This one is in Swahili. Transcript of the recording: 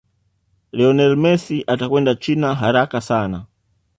lionel Messi atakwenda china haraka sana